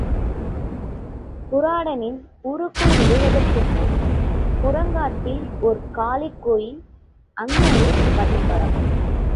விராடனின் ஊருக்குள் நுழைவதற்கு முன் புறங்காட்டில் ஒரு காளி கோயில் அங்கு ஒரு வன்னிமரம்.